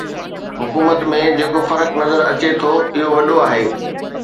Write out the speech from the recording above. حڪومت ۾ جيڪو فرق نظر اچي ٿو اهو وڏو آهي